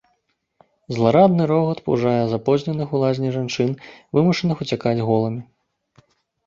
Зларадны рогат пужае запозненых у лазні жанчын, вымушаных уцякаць голымі.